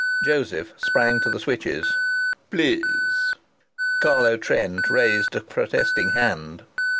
Joseph sprang to the switches. "Please!" Carlo Trent raised a protesting hand.